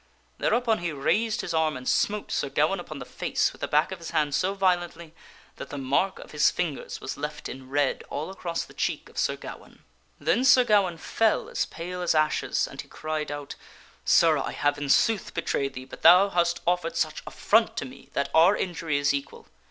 There upon he raised his arm and smote Sir Gawaine upon the face paces' affront with the back of his hand so violently that the mark of his u P ort sir Ga ~ fingers was left in red all across the cheek of Sir Gawaine. Then Sir Gawaine fell as pale as ashes and he cried out, " Sir, I have in sooth betrayed thee, but thou hast offered such affront to me that our injury is equal."